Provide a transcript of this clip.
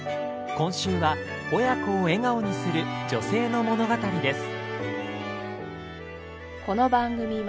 今週は親子を笑顔にする女性の物語です。